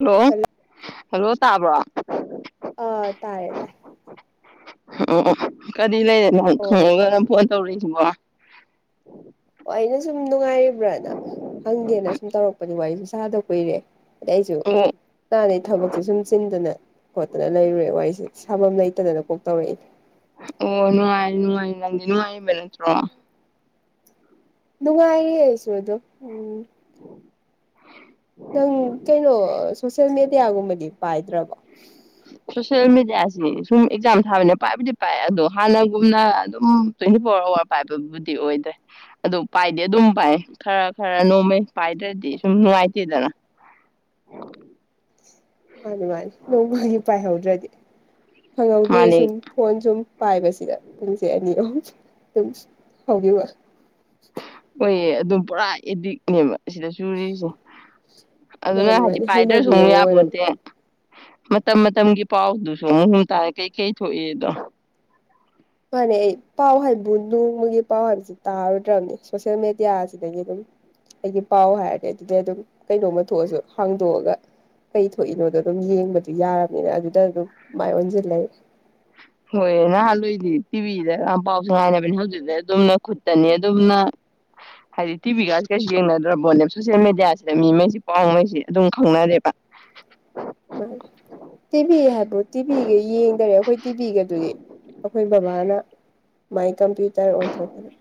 Hello hello ꯇꯥꯕ꯭ꯔꯣ [unintelligible] ꯑ ꯇꯥꯔꯦ ꯇꯥꯔꯦ ꯑꯣ ꯑꫭ ꯀ ꯀ꯭ꯔꯤ ꯂꯩꯔꯦ ꯅꯪ ꯑꯣ ꯑꯣ ꯈꯪꯉꯒ ꯅꯪ ꯐꯣꯟ ꯇꯧꯔ ꯏ ꯃꯥ ꯑꯩꯅ ꯁꯨꯝ ꯅꯨꯡꯉꯥꯏꯔꯤꯕ꯭ꯔꯅ ꯍꯪꯒꯦꯅ ꯁꯨꯝ ꯇꯧꯔꯛꯄꯅꯤ ꯋꯥꯔꯤꯁꯨ ꯁꯥꯗ ꯀꯨꯏꯔꯦ ꯑꯗꯩꯁꯨ ꯑꯣ ꯅꯍꯥꯟꯗꯩ ꯊꯕꯛꯁꯦ ꯁꯨꯝ ꯆꯤꯟꯗꯅ ꯈꯣꯠꯇꯅ ꯂꯩꯔꯨꯔꯦ ꯋꯥꯔꯤꯁꯦ ꯁꯥꯕꯝ ꯂꯩꯇꯗꯅ ꯀꯣꯛ ꯇꯧꯔꯛꯏ ꯑꯣ ꯅꯨꯡꯉꯥꯏꯔꯤ ꯅꯨꯡꯉꯥꯏꯔꯤ ꯅꯪꯗꯤ ꯅꯨꯡꯉꯥꯏꯔꯤꯕ ꯅꯠꯇ꯭ꯔꯣ ꯅꯨꯡꯉꯥꯏꯔꯤ ꯑꯩꯁꯨ ꯑꯗꯨꯝ ꯎꯝ [unintelligible] ꯅꯪ ꯀꯩꯅꯣ ꯑ ꯁꯣꯁꯦꯜ ꯃꯦꯗꯤꯌꯥꯒꯨꯝꯕꯗꯤ ꯄꯥꯏꯗ꯭ꯔꯕ ꯁꯣꯁꯦꯜ ꯃꯦꯗꯤꯌꯥꯁꯤ ꯁꯨꯝ ꯑꯦꯛꯖꯥꯝ ꯊꯥꯕꯅꯤꯅ ꯄꯥꯏꯕꯨꯗꯤ ꯄꯥꯏ ꯑꯗꯣ ꯍꯥꯟꯅꯒꯨꯝꯅ ꯑꯗꯨꯝ ꯇ꯭ꯋꯦꯟꯇꯤ ꯐꯣꯔ ꯑꯋꯥꯔ ꯄꯥꯏꯕꯕꯨꯗꯤ ꯑꯣꯏꯗ꯭ꯔꯦ ꯑꯗꯨ ꯄꯥꯏꯗꯤ ꯑꯗꯨꯝ ꯄꯥꯏ ꯈꯔ ꯈꯔ ꯅꯣꯝꯃꯩ ꯄꯥꯏꯗ꯭ꯔꯗꯤ ꯁꯨꯝ ꯅꯨꯡꯉꯥꯏꯇꯦꯗꯅ ꯃꯥꯅꯤ ꯃꯥꯅꯤ ꯅꯣꯡꯃꯅꯤ ꯄꯥꯏꯍꯧꯗ꯭ꯔꯗꯤ ꯈꯪꯍꯧꯗꯦ ꯁꯨꯝ ꯃꯥꯅꯦ ꯐꯣꯟ ꯁꯨꯝ ꯄꯥꯏꯕꯁꯤꯗ ꯄꯨꯡꯁꯦ ꯑꯅꯤ ꯑꯍꯨꯝ [unintelligible] ꯍꯧꯒꯤꯕ ꯑꯣꯏꯌꯦ ꯑꯗꯨꯝ ꯄꯨꯔꯥ ꯑꯦꯗꯤꯛꯅꯦꯕ ꯑꯁꯤꯗ ꯆꯨꯔꯤꯁꯦ ꯑꯗꯨꯅ ꯃꯥꯅꯤ ꯍꯥꯏꯗꯤ ꯃꯥꯅꯤ ꯍꯩꯅꯕꯤ ꯄꯥꯏꯗ꯭ꯔꯁꯨꯃꯨꯛ ꯑꯃ ꯑꯣꯏꯔꯕ ꯌꯥꯄꫭꯟꯇꯦ ꯃꯇꯝ ꯃꯇꯝꯒꯤ ꯄꯥꯎꯗꯨꯁꯨ ꯎꯪ ꯍꯨꯝ ꯇꯥꯔꯦ ꯀꯩꯀꯩ ꯊꯣꯛꯏꯑꯗꯣ ꯄꯅꯦ ꯑꯩ ꯄꯥꯎ ꯍꯥꯏꯕꯨ ꯅꯣꯡꯃꯒꯤ ꯄꯥꯎ ꯍꯥꯏꯕꯁꯤ ꯇꯥꯔꯨꯗ꯭ꯔꯕꯅꯦ ꯁꯣꯁꯦꯜ ꯃꯦꯗꯤꯌꯥ ꯑꯁꯤꯗꯒꯤ ꯑꯗꯨꯝ ꯑꯩꯒꯤ ꯄꯥꯎ ꯍꯥꯏꯔꯗꯤ ꯑꯗꯨꯗꯩ ꯑꯗꯨꯝ ꯀꯩꯅꯣꯝꯃ ꯊꯣꯛꯑꯁꯨ ꯍꯥꯡꯗꯣꯛꯑꯒ ꯀꯩ ꯊꯣꯛꯏꯅꯣꯗꯣ ꯑꯗꯨꯝ ꯌꯦꯡꯕꯗꯨ ꯌꯥꯔꯕꯅꯤꯅ ꯑꯗꯨꯗ ꯑꯗꯨꯝ ꯃꯥꯏ ꯑꯣꯟꯖꯤꯜꯂꯩꯔꯦ ꯍꯣꯏ ꯅꯍꯥꯟꯋꯥꯏꯗꯤ ꯇꯤꯚꯤꯗꯒ ꯌꯥꯝ ꯄꯥꯎꯁꯦ ꯉꯥꯏꯅꯕꯅꯦ ꯍꯧꯖꯤꯛꯇꯤ ꯑꯗꯨꯝꯅ ꯈꯨꯠꯇꯅꯦ ꯑꯗꯨꯝꯅ ꯍꯥꯏꯗꯤ ꯇꯤꯚꯤꯒꯁꯤ ꯀꯩꯁꯨ ꯌꯦꯡꯅꯗ꯭ꯔꯄꫭꯠꯅꯦꯕ ꯁꯣꯁꯦꯜ ꯃꯦꯗꯤꯌꯥꯁꯤꯗ ꯃꯤꯉꯩꯁꯤ ꯄꯥꯎꯉꯩꯁꯤ ꯑꯗꯨꯝ ꯈꯪꯅꯔꯦꯕ [unintelligible] ꯇꯤꯚꯤ ꯍꯥꯏꯕꯨ ꯇꯤꯚꯤꯒ ꯌꯦꯡꯗꯔꯦ ꯑꯩꯈꯣꯏ ꯇꯤꯚꯤꯒ ꯑꯗꯨꯒꯤ ꯑꯩꯈꯣꯏ ꯕꯕꯥꯅ ꯃꯥꯏ ꯀꯝꯄ꯭ꯌꯨꯇꯔ ꯑꯣꯟꯊꫭꯛꯈꯔꯦ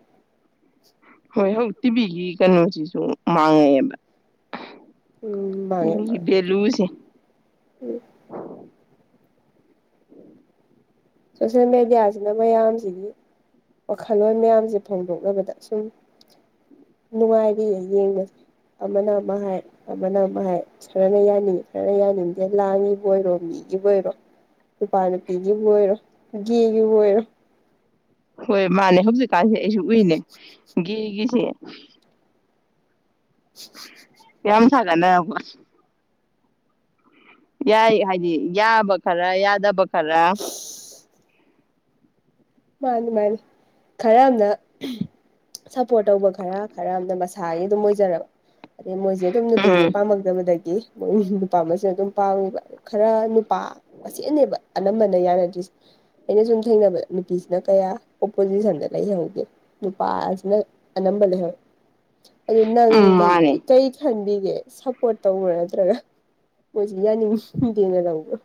ꯍꯣꯏ ꯍꯧ ꯇꯤꯚꯤꯒꯤ ꯀꯩꯅꯣꯁꯤꯁꯨ ꯃꯥꯡꯉꯛꯑꯦꯕ ꯎꯝ ꯕꯥꯉꯦ ꯇꯤꯚꯤꯒꯤ ꯃꯥꯡꯉꯦ ꯚꯦꯂꯨꯁꯦ ꯎꯝ ꯁꯣꯁꯦꯜ ꯃꯦꯗꯤꯌꯥꯁꯤꯅ ꯃꯌꯥꯝꯁꯤꯒꯤ ꯋꯥꯈꯜꯂꯣꯟ ꯃꯌꯥꯝꯁꯦ ꯐꯣꯡꯗꯣꯛꯅꯕꯗ ꯁꯨꯝ ꯅꯨꯡꯉꯥꯏꯔꯤꯌꯦ ꯌꯦꯡꯕꯁꯦ ꯑꯃꯅ ꯑꯃ ꯍꯥꯏ ꯑꯃꯅ ꯑꯃ ꯍꯥꯏ ꯈꯔꯅ ꯌꯥꯅꯤꯡꯉꯤ ꯈꯔꯅ ꯌꯥꯅꯤꯡꯗꯦ ꯂꯥꯟꯒꯤꯕꯨ ꯑꯣꯏꯔꯣ ꯃꯤꯒꯤꯕꯨ ꯑꯣꯏꯔꯣ ꯅꯨꯄꯥ ꯅꯨꯄꯤꯒꯤꯕꯨ ꯑꯣꯏꯔꯣ ꯒꯦꯒꯤꯕꯨ ꯑꯣꯏꯔꫭ ꯍꯣꯏ ꯃꯥꯅꯦ ꯍꯧꯖꯤꯛ ꯀꯥꯏꯁꯦ ꯑꯩꯁꯨ ꯎꯏꯅꯦ ꯒꯦꯒꯤꯁꯦ [unintelligible] [unintelligible] ꯊꯥꯒꯠꯅꯔꯛꯄ ꯌꯥꯏ ꯍꯥꯏꯗꯤ ꯌꯥꯕ ꯈꯔ ꯌꯥꯗꯕ ꯈꯔ ꯃꯥꯅꯤ ꯃꯥꯅꯤ ꯈꯔꯝꯅ ꯁꯞꯄꯣꯔꯠ ꯇꯧꯕ ꯈꯔ ꯈꯔ ꯑꯃꯝꯅ ꯊꯥꯒꯤ ꯑꯗꯨꯝ ꯑꯣꯏꯖꯔꯕ ꯑꯗꯩ ꯃꯣꯏꯁꯦ ꯑꯗꯨꯝ ꯅꯨꯄꯤꯁꯦ ꯎꯝ ꯄꯥꯝꯃꯛꯇꯕꯗꯒꯤ ꯃꯣꯏ ꯅꯨꯄꯥꯃꯅ ꯑꯗꯨꯝ ꯄꯥꯝꯏꯕ ꯈꯔ ꯄ ꯑꯁꯤꯅꯦꯕ ꯑꯅꯝꯕꯅ ꯌꯥꯅꯗ꯭ꯔꯤꯁꯦ ꯑꯩꯅ ꯁꯨꯝ ꯊꯦꯡꯅꯕ ꯅꯨꯄꯤꯁꯦ ꯀꯌꯥ ꯑꯣꯄꯣꯖꯤꯁꯟꯗ ꯂꯩꯍ ꯍꯧꯗꯦ ꯅꯨꯄꯥꯁꯤꯅ ꯑꯅꯝꯕ ꯂꯩꯍꯔ ꯑꯗꯨ ꯎꯝ ꯅꯪꯗꯤ ꯃꯥꯅꯦ ꯀꯔꯤ ꯈꯟꯕꯤ ꯁꯞꯄꯣꯔꯠ ꯇꯧꯕ꯭ꯔꯥ ꯅꯠꯇ꯭ꯔꯒ ꯃꯣꯏꯁꯤ ꯌꯥꯅꯤꯡꯗꯦꯅ ꯇꯧꯕ꯭ꯔꯥ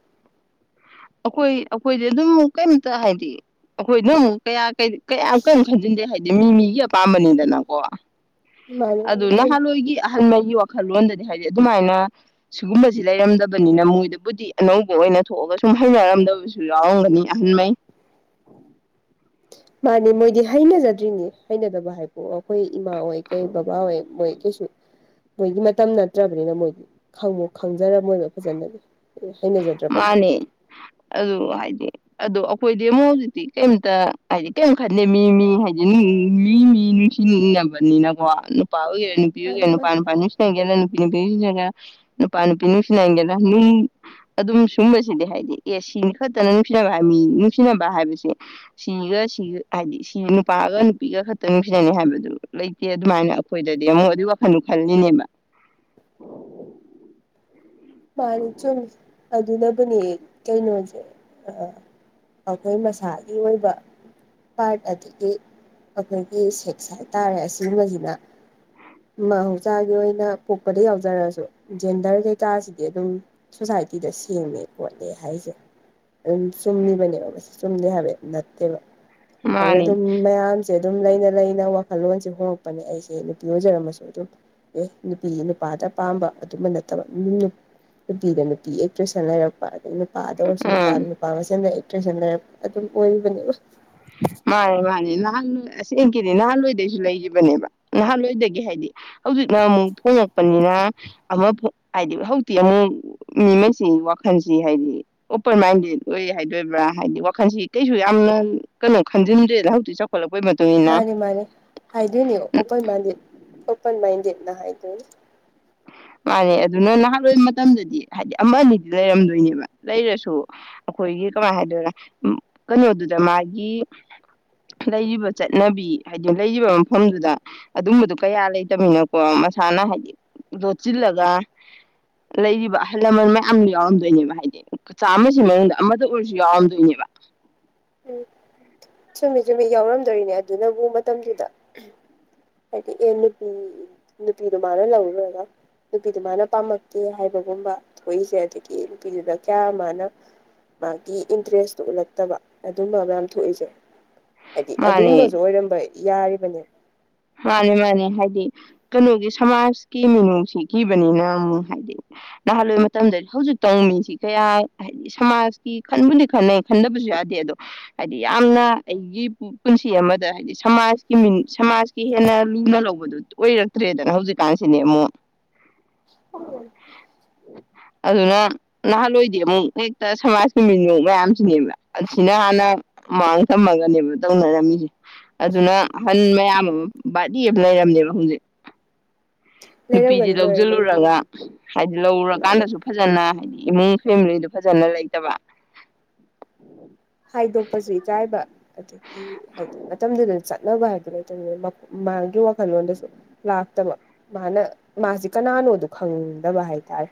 ꯑꯩꯈꯣꯏ ꯑꯩꯈꯣꯏꯗꯤ ꯑꯗꯨꯝ ꯀꯩꯝꯇ ꯍꯥꯏꯗꯤ ꯑꯩꯈꯣꯏꯅꯣ ꯑꯃꯨꯛ ꯀꯌꯥ ꯀꯌꯥꯝ ꯀꯔꯤꯝ ꯈꯟꯖꯤꯟꯗꯦ ꯍꯥꯏꯗꯤ ꯃꯤ ꯃꯤꯒꯤ ꯑꯄꯥꯝꯕꯅꯤꯗꯅꯀꯣ ꯃꯥꯅꯦ ꯑꯗꯨ ꯃꯥꯅꯦ ꯅꯍꯥꯟꯒꯤ ꯑꯍꯜꯉꯩꯒꯤ ꯋꯥꯈꯜꯂꯣꯟꯗꯗꯤ ꯍꯥꯏꯗꯤ ꯑꯗꯨꯃꯥꯏꯅ ꯁꯤꯒꯨꯝꯕꯁꯤ ꯂꯩꯔꯝꯗꯕꯅꯤꯅ ꯃꯣꯏꯗꯕꯨꯗꯤ ꯑꯅꯧꯕ ꯑꯣꯏꯅ ꯊꯣꯛꯑꯒ ꯁꯨꯝ ꯍꯩꯩꯅꯔꯝꯗꯕꯁꯨ ꯌꯥꯎꯔꯝꯒꯅꯤ ꯑꯍꯟꯉꯩ ꯃꯥꯅꯦ ꯃꯣꯏꯗꯤ ꯍꯩꯅꯖꯗ꯭ꯔꯤꯅꯦ ꯍꯩꯅꯗꯕ ꯍꯥꯏꯕ ꯑꯩꯈꯣꯏ ꯏꯃ ꯑꯣꯏꯣꯏ ꯀꯩ ꯕꯕꯥ ꯑꯣꯏꯣꯏ ꯑꯣꯏꯣꯏ ꯀꯁꯨ ꯃꯣꯏꯒꯤ ꯃꯇꯝ ꯅꯠꯇ꯭ꯔꯕꯅꯤꯅ ꯃꯣꯏꯒꯤ ꯈꯪ ꯈꯪꯖꯔꯝꯃꯣꯏꯕ ꯐꯖꯅꯗꯤ ꯑꯦ ꯃꯥꯅꯦ ꯑꯗꯨ ꯍꯥꯏꯗꯤ ꯑꯗꯣ ꯑꯩꯈꯣꯏꯗꯤ ꯑꯃꯨꯛ ꯍꯧꯖꯤꯛꯇꯤ ꯀꯩꯝꯇ ꯍꯥꯏꯗꯤ ꯀꯩꯝ ꯈꯟꯗꯦ ꯃꯤ ꯃꯤ ꯍꯥꯏꯗꯤ ꯃꯤ ꯃꯤ ꯅꯨꯡꯁꯤꯅꯕꯅꯤꯅꯀꯣ ꯅꯨꯄꯥ ꯑꯣꯏ ꯃꯥꯅꯤ ꯄꯤꯌꯒꯦꯅ ꯃꯥꯅꯤ ꯄꯅ ꯄ ꯄꯥꯟꯕꯅꯁꯨ ꯁꯤ ꯍꯥꯏꯒꯦꯅ ꯄ ꯄꯥꯟ ꯄꯤꯅꯁꯤꯅꯥꯏꯒꯦꯗ ꯑꯗꯨꯝ ꯁꯨꯝꯕꯁꯤꯗꯤ ꯍꯥꯏꯗꯤ ꯑꯦ ꯁꯤꯅꯤ ꯈꯛꯇꯅ ꯅꯨꯡꯁꯤꯅꯕ ꯍꯥꯏ ꯃꯤ ꯅꯨꯡꯁꯤꯅꯕ ꯍꯥꯏꯕꯁꯦ ꯁꯤꯒ ꯁꯤꯒ ꯍꯥꯏꯗꯤ ꯁꯤ ꯅꯨꯄꯥꯒ ꯅꯨꯄꯤꯒ ꯈꯛꯇ ꯅꯨꯡꯁꯤꯅꯅꯤ ꯍꯥꯏꯕꯗꯨ ꯂꯩꯇꯦ ꯑꯗꯨꯃꯥꯏꯅ ꯑꯩꯈꯣꯏꯗꯗꯤ ꯑꯃꯨꯛ ꯑꯗꯨꯒꯤ ꯋꯥꯈꯜꯗꯨ ꯈꯜꯂꯤꯅꯦꯕ ꯃꯥꯅꯤ ꯆꯨꯝꯃꯤ ꯑꯗꯨꯅꯕꯨꯅꯦ ꯀꯩꯅꯣꯁꯦ ꯑꯩꯈꯣꯏ ꯃꯁꯥꯒꯤ ꯑꯣꯏꯕ ꯄꯥꯔꯠ ꯑꯗꯒꯤ ꯑꯩꯈꯣꯏꯒꯤ ꯁꯦꯛꯁ ꯍꯥꯏꯇꯥꯔꯦ ꯑꯁꯤꯒꯨꯝꯕꯁꯤꯅ ꯃꯍꯧꯁꯥꯒꯤ ꯑꯣꯏꯅ ꯄꯣꯛꯄꯗ ꯌꯥꯎꯖꯔꯁꯨ ꯖꯦꯟꯗꯔ ꯀꯩꯀꯥꯔꯁꯤ ꯑꯗꯨꯝ ꯁꯣꯁꯥꯏꯇꯤꯗ ꯁꯦꯡꯉꯦ ꯈꯣꯠꯂꯦ ꯍꯥꯏꯁꯦ ꯑꯗꯨꯝ ꯆꯨꯝꯃꯤꯕꯅꯦꯕ ꯃꯁꯤ ꯆꯨꯝꯗꯦ ꯍꯥꯏꯕꯗꯤ ꯅꯠꯇꯦꯕ ꯑꯗꯨꯅ ꯃꯥꯅꯤ ꯑꯗꯨꯝ ꯃꯌꯥꯝꯁꯦ ꯑꯗꯨꯝ ꯂꯩꯅ ꯂꯩꯅ ꯋꯥꯜꯂꯣꯟꯁꯦ ꯍꯣꯡꯉꯛꯄꯅꯦ ꯑꯩꯁꯦ ꯅꯨꯄꯤ ꯑꯣꯏꯖꯔꯝꯃꯁꯨ ꯑꯗꯨꯝ ꯑꯦ ꯅꯨꯄꯤ ꯅꯨꯄꯥꯗ ꯄꯥꯝꯕ ꯑꯗꯨꯃ ꯅꯠꯇꯕ ꯅꯨꯄꯤꯤꯗ ꯅꯨꯄꯤ ꯑꯦꯛꯇ꯭ꯔꯦꯁꯅ ꯍꯥꯏꯔꯛꯄꯗ ꯅꯨ ꯎꯝ ꯄꯥꯗꯣꯄꯥꯔ ꯄꯄꯥ ꯁꯟ ꯑꯗꯨꯝ ꯑꯣꯏꯕꯅꯤ ꯃꯥ ꯃꯥꯅꯤ ꯅꯍꯥꯟꯋꯥ ꯑꯁꯦꯡꯀꯤꯗꯤ ꯅꯍꯥꯟꯋꯥꯏꯗꯩꯁꯨ ꯂꯩꯈꯤꯕꯅꯦꯕ ꯅꯍꯥꯟꯋꯥꯏꯗꯒꯤ ꯍꯥꯏꯗꯤ ꯍꯧꯖꯤꯛꯅ ꯑꯃꯨꯛ ꯐꯣꯡꯉꯛꯄꯅꯤꯅ ꯑꯃ ꯍꯥꯏꯗꯤ ꯍꯧꯖꯤꯛꯇꯤ ꯑꯃꯨꯛ ꯃꯤꯉꯩꯁꯤ ꯋꯥꯈꯜꯁꯤ ꯍꯥꯏꯗꯤ ꯑꯣꯄꯟ ꯃꯥꯏꯟꯗꯦꯗ ꯑꯣꯏ ꯍꯥꯏꯗꯣꯏꯕ꯭ꯔꯥ ꯍꯥꯏꯗꯤ ꯋꯥꯈꯜꯁꯤ ꯀꯩꯁꯨ ꯌꯥꯝꯅ ꯀꯩꯅꯣ ꯈꯟꯖꯤꯟꯗꯦꯍꯖꯤꯗꯤꯤ ꯆꯥꯎꯈꯠꯂꯄ ꯃꯥꯅꯦ ꯃꯥꯅꯦ ꯍꯥꯏꯗꯣꯏꯅꯤ ꯑꯣꯄꯟ ꯃꯥꯏꯗꯦꯇ꯫ ꯅ ꯍꯥꯏꯗꯣꯏꯅꯦ ꯃꯥꯅꯦ ꯑꯗꯨꯅ ꯅꯍꯥꯟꯋꯥꯏ ꯃꯇꯝꯗꯗꯤ ꯍꯥꯏꯗꯤ ꯑꯃ ꯑꯅꯤꯗꯤ ꯂꯩꯔꯝꯗꯣꯏꯅꯦꯕ ꯂꯩꯔꯁꯨ ꯑꯩꯈꯣꯏꯒꯤ ꯀꯃꯥꯏꯅ ꯍꯥꯏꯗꯣꯏꯔꯦ ꯀꯩꯅꯣꯗꯨꯗ ꯃꯥꯒꯤ ꯂꯩꯔꯤꯕ ꯆꯠꯅꯕꯤ ꯍꯥꯏꯗꯤ ꯂꯩꯔꯤꯕ ꯃꯐꯝꯗꯨꯗ ꯑꯗꯨꯝꯕꯗꯣ ꯀꯌꯥ ꯂꯩꯇꯅꯤꯅꯀꯣ ꯃꯁꯥꯅ ꯍꯥꯏꯗꯤ ꯫ ꯂꯣꯠꯁꯤꯜꯂꯒ ꯂꯩꯔꯤꯕ ꯑꯍꯜ ꯂꯃꯟ ꯃꯌꯥꯝ ꯌꯥꯎꯔꯝꯗꯣꯏꯅꯦꯕ ꯍꯥꯏꯗꯤ ꯆꯥꯃꯁꯤ ꯃꯅꯨꯡꯗ ꯑꯃꯗ ꯑꯣꯏꯔꯁꯨ ꯌꯥꯎꯔꯝꯗꯣꯏꯅꯦꯕ꯫ ꯎꯝ ꯆꯨꯝꯃꯤ ꯆꯨꯝꯃꯤ ꯌꯥꯎꯔꯝꯗꯣꯏꯅꯦ ꯑꯗꯨꯅꯕꯨ ꯃꯇꯝꯗꯨꯗ꯫ ꯍꯥꯏꯗꯤ ꯑꯦ ꯅꯨꯄꯤ ꯅꯨꯄꯤꯗꯨ ꯃꯥꯅ ꯂꯧꯔꯨꯔꯒ ꯅꯨꯄꯤꯗꯨ ꯃꯥꯅ ꯄꯥꯝꯂꯀꯦ ꯍꯥꯏꯕꯒꯨꯝꯕ ꯊꯣꯛꯏꯁꯦ ꯑꯗꯒꯤ ꯅꯨꯄꯤꯗꯨꯗ ꯀꯌꯥ ꯃꯥꯅ ꯃꯥꯒꯤ ꯏꯟꯇꯔꯦꯁꯇꯣ ꯎꯠꯂꯛꯇꯕ ꯑꯗꯨꯝꯕ ꯃꯌꯥꯝ ꯊꯣꯛꯏꯁꯦ꯫ ꯍꯥꯏꯗꯤ ꯃꯥꯅꯦ ꯑꯗꯨꯒꯨꯝꯕꯁꯨ ꯑꯣꯏꯔꯝꯕ ꯌꯥꯔꯤꯕꯅꯦ ꯃꯥꯅꯤ ꯃꯥꯅꯤ ꯍꯥꯏꯗꯤ ꯀꯩꯅꯣꯒꯤ ꯁꯃꯥꯖꯀꯤ ꯃꯤꯅꯨꯡꯁꯤ ꯀꯤꯕꯅꯤꯅ ꯑꯃꯨꯛ ꯍꯥꯏꯗꯤ ꯅꯍꯥꯟꯋꯥꯏ ꯃꯇꯝꯗꯗꯤ ꯍꯧꯖꯤꯛ ꯇꯧ ꯃꯤꯁꯤ ꯀꯌꯥ ꯍꯥꯏꯗꯤ ꯁꯃꯥꯖꯀꯤ ꯈꯟꯕꯨꯗꯤ ꯈꯟꯅꯩ ꯈꯟꯗꯕꯁꯨ ꯌꯥꯗꯦ ꯑꯗꯣ ꯍꯥꯏꯗꯤ ꯌꯥꯝꯅ ꯑꯩꯒꯤ ꯄꯨꯟꯁꯤ ꯑꯃꯗ ꯍꯥꯏꯗꯤ ꯁꯃꯥꯖꯀꯤ ꯁꯃꯥꯖ ꯀꯥ ꯍꯦꯟꯅ ꯂꯨꯅ ꯂꯧꯕꯗꯨ ꯑꯣꯏꯔꯛꯇ꯭ꯔꯦꯗꯅ ꯍꯧꯖꯤꯛꯀꯥꯟꯁꯤꯅꯦ ꯑꯃꯨꯛ ꯑꯗꯨꯅ ꯅꯍꯥꯟꯋꯥꯏꯗꯤ ꯑꯃꯨꯛ ꯍꯦꯛꯇ ꯁꯃꯥꯖ ꯃꯤꯅꯣꯛ ꯃꯌꯥꯝꯁꯤꯅꯦꯕ ꯑꯁꯤꯅ ꯍꯥꯟꯅ ꯃꯃꯥꯡ ꯊꯝꯃꯒꯅꯦꯕ ꯇꯧꯅꯔꯝꯃꯤꯁꯦ ꯑꯗꯨꯅ ꯑꯍꯟ ꯃꯌꯥꯝ ꯑꯃ꯫ ꯕꯥꯔꯤ ꯑꯃ ꯂꯩꯔꯝꯅꯦꯕ ꯍꯧꯖꯤꯛ ꯅꯨꯄꯤꯁꯤ ꯂꯩꯔꯝꯒꯅꯤ ꯂꯩꯔꯝꯒꯅꯤ ꯂꯧꯁꯤꯜꯂꯨꯔꯒ ꯍꯥꯏꯗꯤ ꯃꯥꯅꯦ ꯂꯧꯔꯀꯥꯟꯗꯁꯨ ꯐꯖꯅ ꯍꯥꯏꯗꯤ ꯏꯃꯨꯡ ꯐꯦꯃꯤꯂꯤꯗꯨ ꯐꯖꯅ ꯂꯩꯇꯕ ꯍꯥꯏꯗꯣꯛꯄꯁꯨ ꯏꯀꯥꯏꯕ ꯑꯗꯒꯤ ꯍꯥꯏꯗꯤ ꯃꯇꯝꯗꯨꯗ ꯆꯠꯅꯕ ꯍꯥꯏꯕꯗꯨ ꯂꯩꯇꯕꯅꯤꯅ ꯃꯥꯒꯤ ꯋꯥꯈꯜꯂꯣꯟꯗꯁꯨ ꯂꯥꯛꯇꯕ ꯃꯥꯅ ꯃꯥꯁꯤ ꯀꯅꯥꯅꯣꯗꯨ ꯈꯪꯗꯕ ꯍꯥꯏꯇꯥꯔꯦ꯫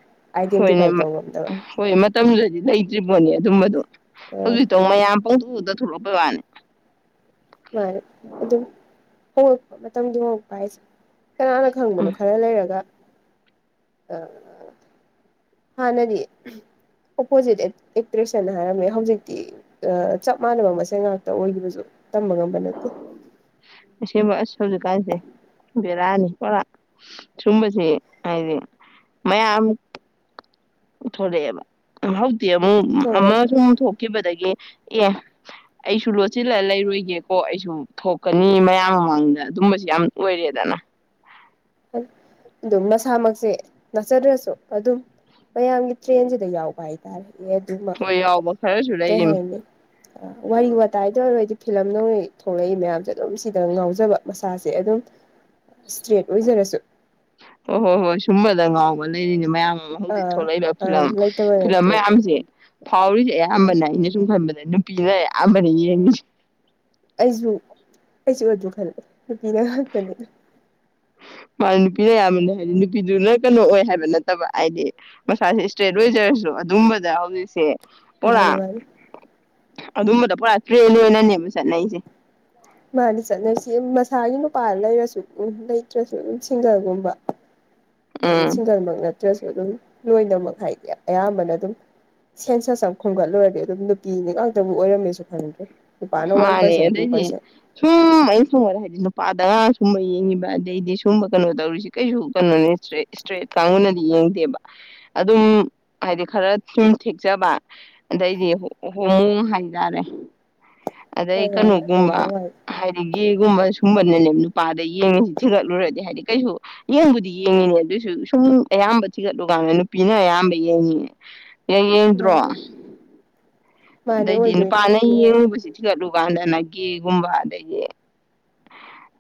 ꯍꯣꯏꯅꯦ ꯑꯥꯏꯗꯦꯟꯇꯤꯐꯥꯏ ꯇꯧ ꯉꯝꯗꯕ ꯍꯣꯏ ꯃꯇꯝꯗꯨꯗꯗꯤ ꯂꯩ꯫ ꯇ꯭ꯔꯤꯄꯣꯅꯤ ꯑꯗꯨꯝꯕ ꯑꯗꯣ ꯑ ꯍꯧꯖꯤꯛꯇꯧ ꯃꯌꯥꯝ ꯄꯪꯇꯧ꯫ ꯊꯣꯛꯂꯛꯄ ꯋꯥꯅꯦ ꯃꯥꯅꯦ ꯑꯗꯨꯝ ꯍꯣꯡꯉ ꯃꯇꯝꯒꯤ ꯄꯥꯏꯁꯦ ꯀꯅꯥꯅ ꯈꯪꯕꯅꯣ ꯎꯝ ꯈꯔ ꯂꯩꯔꯒ ꯑ ꯍꯥꯟꯅꯗꯤ ꯑꯣꯄꯣꯖꯤꯠ ꯑꯦꯛꯇ꯭ꯔꯦꯁꯅ ꯍꯥꯏꯔꯝꯃꯦ ꯍꯧꯖꯤꯛꯇꯤ ꯆꯞ ꯃꯥꯟꯅꯕ ꯃꯁꯦꯜ ꯉꯥꯛꯇ ꯑꯣꯏꯈꯤꯕꯁꯨ ꯇꯝꯕ ꯉꯝꯕ ꯅꯠꯇꯦ꯫ ꯑꯁꯦꯡꯕ ꯑꯁ ꯍꯧꯖꯤꯛꯀꯥꯟꯁꯦ ꯕꯦꯔꯥꯅꯤ ꯄꯨꯣꯔꯥ ꯁꯨꯝꯕꯁꯦ ꯍꯥꯏꯗꯤ ꯃꯌꯥꯝ ꯊꯣꯛꯔꯛꯑꯦꯕ ꯑꯃꯨꯛ ꯑꯃ ꯊꯣꯛꯂꯛꯑꯦ ꯁꯨꯝ ꯊꯣꯛꯂꯛꯑꯦ ꯊꯣꯛꯈꯤꯕꯗꯒꯤ ꯑꯦ ꯑꯩꯁꯨ ꯂꯣꯠꯁꯤꯜꯂ ꯂꯩꯔꯣꯏꯒꯦꯀꯣ ꯑꯩꯁꯨ ꯊꯣꯛꯀꯅꯤ ꯃꯌꯥꯝ ꯃꯃꯥꯡꯗ ꯑꯗꯨꯝꯕꯁꯨ ꯌꯥꯝ ꯑꯣꯏꯔꯦꯗꯅ ꯑꯗꯨꯝ ꯅꯁꯥꯃꯛꯁꯦ ꯅꯠꯆꯗ꯭ꯔꯁꯨ ꯑꯗꯨꯝ ꯃꯌꯥꯝꯒꯤ ꯇ꯭ꯔꯦꯟꯁꯤꯗ ꯌꯥꯎꯕ ꯍꯥꯏꯇꯥꯔꯦ꯫ ꯑꯦ ꯑꯗꯨꯃ ꯍꯣꯏ ꯍꯥꯏꯗꯤ ꯌꯥꯎꯕ ꯈꯔꯁꯨ ꯀꯩ ꯂꯩꯔꯤꯃꯤ ꯍꯥꯏꯅꯤ ꯋꯥꯔꯤ ꯋꯥꯇꯥꯏꯗ ꯑꯣꯏꯔꯣ ꯗꯤ ꯐꯤꯂꯝ ꯗꯧꯅ ꯊꯣꯛꯂꯛꯏ ꯃꯌꯥꯝꯁꯦ ꯑꯗꯨꯝ ꯁꯤꯗ ꯉꯥꯎꯖꯕ ꯃꯁꯥꯁꯦ ꯑꯗꯨꯝ ꯏꯁꯇ꯭ꯔꯦꯠ ꯑꯣꯏꯖꯔꯁꯨ ꯍꯣꯏ ꯍꯣꯏ ꯍꯣꯏ ꯁꯨꯝꯕꯗ ꯉꯥꯎꯕ ꯂꯩꯔꯤꯅꯦ ꯃꯌꯥꯝ ꯍꯧꯖꯤꯛ ꯑꯥ ꯊꯣꯛꯂꯛꯏꯕ ꯐꯤꯂꯝ ꯑꯪ ꯂꯩꯇꯕ ꯐꯤꯂꯝ ꯅꯠꯇꯦꯕ ꯃꯌꯥꯝꯁꯦ ꯐꯥꯎꯔꯤꯁꯦ ꯎꯝ ꯑꯌꯥꯝꯕꯅ ꯑꯩꯅ ꯁꯨꯝ ꯈꯟꯕꯗ ꯅꯨꯄꯤꯅ ꯌꯥꯝꯕꯅꯤ ꯌꯦꯡꯉꯤꯁꯦ ꯑꯁꯨ ꯑꯩꯖꯤ ꯈꯜꯂꯦ ꯅꯨꯄꯤꯅ ꯉꯛꯇꯥꯅꯦ ꯃꯥ ꯅꯨꯄꯤꯅ ꯑꯌꯥꯝꯕꯅꯦ ꯍꯥꯏꯗꯤ ꯅꯨꯄꯤꯗꯨꯅ ꯀꯩꯅꯣ ꯑꯣꯏ ꯍꯥꯏꯕ ꯅꯠꯇꯕ ꯍꯥꯏꯗꯤ ꯃꯁꯥ ꯏꯁꯇꯦꯠ ꯂꯣꯏꯖꯔꯁꯨ ꯑꯗꯨꯝꯕꯗ ꯍꯧꯖꯤꯛꯁꯦ ꯃꯥꯅꯤ ꯄꯨꯔꯥ ꯃꯥꯅꯤ ꯑꯗꯨꯝꯕꯗ ꯄꯨꯔꯥ ꯇ꯭ꯔꯦꯟꯅꯦꯅꯅꯦꯕ ꯆꯠꯅꯩꯁꯦ ꯃꯥ ꯆꯠꯁꯤ ꯃꯁꯥꯅ ꯄ ꯂꯩꯔꯁꯨ ꯎ ꯂꯩꯇ꯭ꯔꯁꯨꯝ ꯁꯤꯡꯒꯜꯒꯨꯝꯕ ꯑꯗꯨ ꯎꯝ ꯆꯁꯤꯡꯒꯔ ꯃꯒ ꯗ꯭ꯔꯁꯨ ꯑꯗꯨꯝ ꯂꯣꯏꯅꯃꯛ ꯍꯥꯏꯗꯤ ꯑꯌꯥꯝꯕꯅ ꯑꯗꯨꯝ ꯁꯦꯟꯁꯁ ꯑꯃ ꯈꯣꯝꯒꯠꯂꯨꯔꯗꯤ ꯑꯗꯨꯝ ꯅꯨꯄꯤꯅꯤ ꯉꯥꯛꯇꯕꯨ ꯑꯣꯏꯔꯝꯃꯦꯁꯨ ꯈꯪꯗ꯭ꯔꯦ ꯅꯨꯄꯥꯅ ꯋꯥꯟ ꯃꯥꯅꯦ ꯄꯥꯔꯁꯦꯟ ꯇꯨ ꯑꯗꯩꯗꯤ ꯄꯥꯔꯁꯦꯟ ꯁꯨꯝ ꯑꯩꯅ ꯁꯨꯝꯉꯔꯦ ꯍꯥꯏꯗꯤ ꯅꯨꯄꯥꯗꯒꯥꯡ ꯁꯨꯝꯕ ꯌꯦꯡꯉꯤꯕ ꯑꯗꯩꯗꯤ ꯁꯨꯝꯕ ꯀꯩꯅꯣ ꯇꯧꯔꯤꯁꯤ ꯀꯩꯁꯨ ꯀꯩꯅꯣꯅꯤ ꯏꯁꯇ꯭ꯔꯦꯠ ꯀꯥꯡꯕꯨꯅꯗꯤ ꯌꯦꯡꯗꯦꯕ ꯑꯗꯨꯝ ꯍꯥꯏꯗꯤ ꯈꯔ ꯁꯨꯝ ꯊꯦꯛꯆꯕ ꯑꯗꯩꯗꯤ ꯍꯣꯡꯃꯣꯡ ꯍꯥꯏꯇꯥꯔꯦ ꯑꯗꯩ ꯍꯣꯏ ꯍꯣꯏ ꯍꯣꯏ ꯀꯩꯅꯣꯒꯨꯝꯕ ꯍꯣꯡꯕ ꯋꯥꯏ ꯍꯥꯏꯗꯤ ꯒꯦꯒꯨꯝꯕ ꯁꯨꯝꯕꯅꯅꯦꯕ ꯅꯨꯄꯥꯗ ꯌꯦꯡꯉꯁꯤ ꯊꯤꯒꯠꯂꯨꯔꯗꯤ ꯍꯥꯏꯗꯤ ꯀꯩꯁꯨ ꯌꯦꯡꯕꯨꯗꯤ ꯌꯦꯡꯉꯤꯅꯦ ꯑꯗꯨꯁꯨ ꯁꯨꯝ ꯑꯌꯥꯝꯕ ꯊꯤꯒꯠꯂꯨꯀꯥꯟꯗ ꯅꯨꯄꯤꯅ ꯑꯌꯥꯝꯕ ꯌꯦꯡꯉꯤꯅꯦ ꯑꯦ ꯌꯦꯡꯗ꯭ꯔꯣ ꯃꯥꯅꯦ ꯃꯥꯅꯦ ꯑꯗꯩꯗꯤ ꯑꯣꯏꯗꯣꯏꯅꯤ ꯅꯨꯄꯥꯅ ꯅꯨꯄꯤꯅ ꯌꯦꯡꯉꯨꯕꯁꯤ ꯊꯤꯒꯠꯂꯨ ꯀꯥꯟꯗꯅ ꯦꯒꯨꯝꯕ ꯑꯗꯩꯗꯤ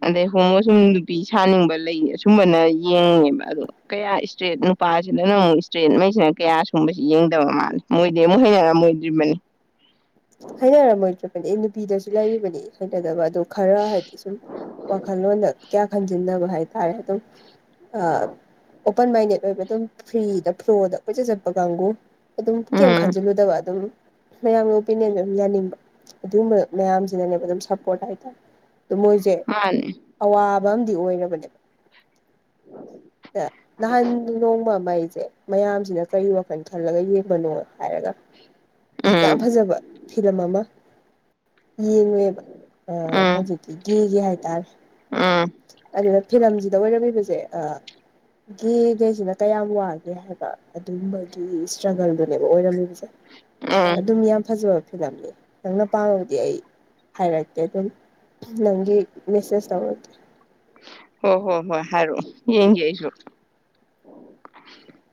ꯑꯗꯩ ꯍꯣꯡꯉ ꯁꯨꯝ ꯅꯨꯄꯤ ꯁꯥꯅꯤꯡꯕ ꯂꯩ ꯑꯁꯨꯝꯕꯅ ꯌꯦꯡꯉꯦꯕ ꯑꯗꯣ ꯀꯌꯥ ꯏꯁꯇ꯭ꯔꯦꯠ ꯅꯨꯄꯥꯁꯤꯗꯅ ꯑꯃꯨꯛ ꯏꯁꯇ꯭ꯔꯦꯠꯉꯩꯁꯤꯅ ꯀꯌꯥ ꯁꯒꯨꯝꯕꯁꯤ ꯌꯦꯡꯗꯕ ꯃꯥꯜꯜꯂꯤ ꯃꯣꯏꯗꯤ ꯑꯃꯨꯛ ꯍꯩꯅꯔꯝꯃꯣꯏꯗ꯭ꯔꯤꯕꯅꯤ ꯍꯥꯏꯅꯔꯝꯃꯣꯏꯗ꯭ꯔꯕꯅꯦ ꯑꯦ ꯅꯨꯄꯤꯗꯁꯨ ꯂꯩꯔꯤꯕꯅꯦ ꯍꯅꯗꯕ ꯑꯗꯨ ꯈꯔ ꯍꯥꯏꯗꯤ ꯁꯨꯝ ꯋꯥꯈꯜꯂꯣꯟꯗ ꯀꯌꯥ ꯈꯪꯖꯤꯟꯗ ꯍꯥꯏ ꯇꯥꯔꯦ ꯇꯨ ꯑꯥ ꯑꯣꯄꯟ ꯃꯥꯏꯟꯗꯦꯠ ꯑꯣꯏꯕ ꯑꯗꯨꯝ ꯐ꯭ꯔꯤꯗ ꯐ꯭ꯂꯣꯗ ꯀꯣꯏꯆꯠ ꯆꯠꯄ ꯀꯥꯡꯕꯨ ꯑꯗꯨꯝ ꯀꯩꯝ ꯎꯝ ꯈꯟꯖꯤꯜꯂꯨꯗꯕ ꯑꯗꯨꯝ ꯃꯌꯥꯝ ꯑꯃ ꯑꯣꯄꯤꯅꯤꯌꯟꯁꯨ ꯑꯗꯨꯝ ꯌꯥꯅꯤꯡꯕ ꯑꯗꯨꯒꯨꯝꯕ ꯃꯌꯥꯝꯁꯤꯅꯅꯦꯕ ꯑꯗꯨꯝ ꯁꯞꯄꯣꯔꯠ ꯍꯥꯏꯇꯥꯔꯦ ꯑꯗꯨ ꯃꯣꯏꯁꯦ ꯃꯥꯅꯦ ꯑꯋꯥ ꯝ ꯑꯣꯏꯔꯕꯅꯦ ꯅꯍꯥꯟ ꯅꯣꯡꯕ ꯃꯩꯁꯦ ꯃꯌꯥꯝꯁꯤꯅ ꯀꯔꯤ ꯋꯥꯈꯜ ꯈꯜꯂꯒ ꯌꯦꯡꯕꯅꯣ ꯍꯥꯏꯔꯒ ꯌꯥꯝ ꯎꯝ ꯐꯖꯕ ꯐꯤꯂꯝ ꯑꯃ ꯌꯦꯡꯉꯨꯦꯕ ꯑ ꯎꯝ ꯍꯧꯖꯤꯛꯇꯤꯒꯤꯒꯤ ꯍꯥꯏꯇꯥꯔꯦ ꯎꯝ ꯑꯗꯨꯅ ꯐꯤꯂꯝꯁꯤꯗ ꯑꯣꯏꯔꯝꯃꯤꯕꯁꯦ ꯒꯦꯒꯩꯁꯤꯅ ꯀꯌꯥꯝ ꯋꯥꯒꯦ ꯍꯥꯏꯕ ꯑꯗꯨꯒꯨꯝꯕ ꯏꯁꯇ꯭ꯔꯒꯜꯗꯨꯅꯦꯕ ꯑꯣꯏꯔꯝꯃꯤꯕꯁꯦ ꯎꯝ ꯑꯗꯨꯝ ꯌꯥꯝ ꯐꯖꯕ ꯐꯤꯂꯝꯅꯦ ꯅꯪꯅ ꯄꯥꯝꯃꯕꯗꯤ ꯑꯩ ꯍꯥꯏꯔꯀꯦ ꯑꯗꯨꯝ ꯅꯪꯗꯤ ꯃꯦꯁꯦꯁ ꯇꯧꯔꯀꯦ ꯍꯣ ꯍꯣ ꯍꯣꯏ ꯍꯥꯏꯔꯣꯑꯣ ꯌꯦꯡꯒꯦ ꯑꯩꯁꯨ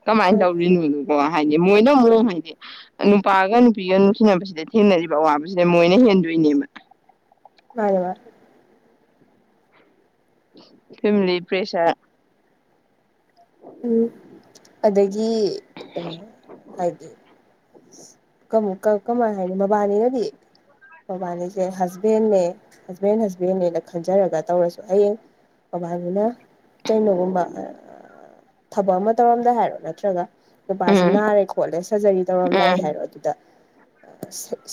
ꯀꯃꯥꯏꯅ ꯍꯣꯏ ꯇꯧꯔꯤꯅꯣꯗꯨꯀꯣ ꯍꯥꯏꯗꯤ ꯃꯣꯏꯅ ꯑꯃꯨꯛ ꯍꯥꯏꯗꯤ ꯅꯨꯄꯥꯒ ꯅꯨꯄꯤꯒ ꯅꯨꯡꯁꯤꯅꯕꯁꯤꯗ ꯊꯦꯡꯅꯔꯤꯕ ꯑꯋꯥꯕꯁꯤꯗ ꯃꯣꯏꯅ ꯍꯦꯟꯗꯣꯏꯅꯦꯕ ꯃꯥꯅꯦ ꯃꯥ ꯐꯦꯃꯤꯂꯤ ꯄ꯭ꯔꯦꯁꯥ ꯎꯝ ꯑꯗꯒꯤ ꯀꯩꯅ ꯍꯥꯏꯗꯤ ꯀꯃꯥꯏ ꯍꯥꯏꯅꯤ ꯃꯕꯥꯅꯤꯅꯗꯤ ꯃꯕꯥꯅꯤꯁꯦ ꯍꯁꯕꯦꯟꯅꯦ ꯍꯁꯕꯦꯟ ꯍꯁꯕꯦꯟꯅꯦꯅ ꯈꯟꯖꯔꯒ ꯇꯧꯔꯁꯨ ꯍꯌꯦꯡ ꯕꯥꯅꯤꯅ ꯀꯩꯅꯩꯅꯣꯒꯨꯝꯕ ꯊꯕꯛ ꯑꯃ ꯇꯧꯔꯝꯗꯥ ꯍꯥꯏꯔꯣ ꯅꯠꯇ꯭ꯔꯒ ꯅꯨꯄꯥꯁꯤ ꯎꯝ ꯅꯥꯔꯦ ꯈꯣꯠꯂꯦ ꯁꯔꯖꯔꯤ ꯇꯧꯔꯝꯗꯥꯏ ꯎꯝ ꯍꯥꯏꯔꯣ ꯑꯗꯨꯗ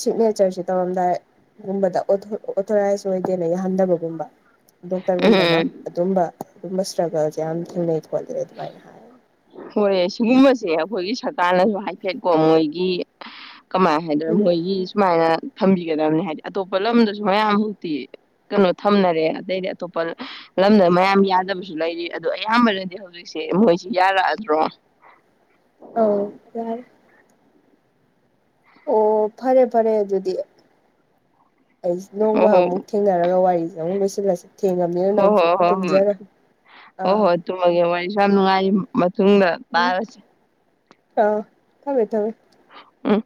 ꯁꯤꯒꯅꯦꯆꯔꯁ ꯇꯧꯔꯝꯗꯥꯏꯒꯨꯝꯕꯗ ꯑꯣꯊꯣꯔꯥꯏꯁ ꯑꯣꯏꯗꯦꯅ ꯌꯥꯍꯟꯗꯕꯒꯨꯝꯕ ꯗꯣꯛꯇꯔꯒꯨꯝꯕꯅ ꯎꯝ ꯑꯗꯨꯝꯕ ꯇꯨꯝ ꯁ꯭꯭ꯔꯒꯜ ꯌꯥꯝ ꯍꯤꯡꯀꯣꯂꯦ ꯍꯣꯏ ꯁꯤꯒꯨꯝꯕꯁꯦ ꯑꯩꯈꯣꯏꯒꯤ ꯁꯔꯀꯥꯔꯅꯁꯨ ꯍꯥꯏꯐꯦꯠꯀꯣ ꯃꯣꯏꯒꯤ ꯀꯃꯥꯏꯅ ꯍꯥꯏꯗ꯭ꯔꯦ ꯎꯝ ꯃꯣꯏꯒꯤ ꯁꯨꯃꯥꯏꯅ ꯊꯝꯕꯤꯒꯗꯕꯅꯤ ꯍꯥꯏꯗꯤ ꯑꯇꯣꯞꯄ ꯂꯝꯗꯁꯨ ꯃꯌꯥꯝ ꯍꯧꯛꯇꯤ ꯀꯩꯅꯣ ꯊꯝꯅꯔꯦ ꯑꯗꯇꯩꯗꯤ ꯑꯇꯣꯞꯄ ꯂꯝꯗ ꯃꯌꯥꯝ ꯌꯥꯗꯕꯁꯨ ꯂꯩꯔꯤ ꯑꯗꯣ ꯑꯌꯥꯝꯕꯅꯗꯤ ꯍꯧꯖꯤꯛꯁꯦ ꯃꯣꯏꯁꯤ ꯌꯥꯔꯛꯑ ꯭ꯔꯣ ꯑ ꯌꯥꯔ ꯑꯣ ꯐꯔꯦ ꯐꯔꯦ ꯑꯗꯨꯗꯤ ꯑꯩꯁ ꯅꯣꯡꯃ ꯑꯣ ꯑꯃꯨꯛ ꯊꯦꯡꯅꯔꯒ ꯋꯥꯔꯤ ꯌꯥꯝꯃꯅ ꯣꯏꯁꯁꯤ ꯂꯁꯦ ꯍꯣꯏ ꯍꯣꯏ ꯍꯣꯏ ꯍꯣꯏ ꯍꯣꯏ ꯑꯥ ꯍꯣꯏ ꯇꯨꯝꯃꯒꯦ ꯋꯥꯔꯤꯁꯨ ꯌꯥꯝ ꯅꯨꯡꯉꯥꯏ ꯃꯇꯨꯡꯗ ꯎꯝ ꯇꯥꯔꯁꯦ ꯑꯥ ꯊꯃꯦ ꯊꯃꯦ ꯎ